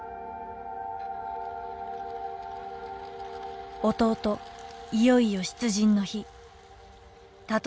「弟いよいよ出陣の日」。